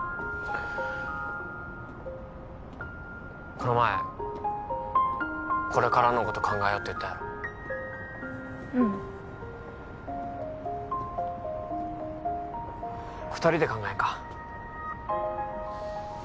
この前これからのこと考えようって言ったやろうん二人で考えんか？